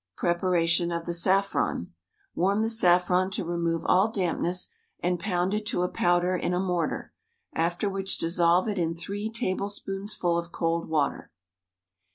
Preparation of the saffron: Warm the saffron to re move all dampness and pound it to a powder in a mortar ; after which dissolve it in three tablespoonsful of cold M^ater.